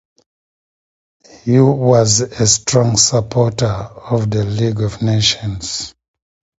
He was a strong supporter of the League of Nations.